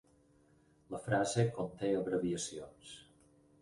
La frase conté abreviacions.